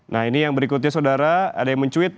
nah ini yang berikutnya saudara ada yang mencuit